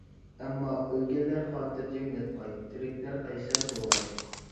ئەمما، ئۆلگەنلەر خاتىرجەم ياتقاي، تىرىكلەر قەيسەر بولغاي.